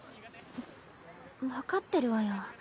分かってるわよ。